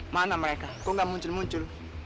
mana mereka kok nggak muncul muncul